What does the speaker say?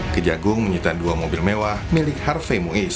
kejagung menyita dua mobil mewah milik harve muiz